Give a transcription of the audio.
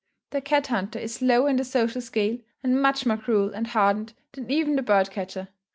The cat hunter is lower in the social scale, and much more cruel and hardened, than even the bird catcher.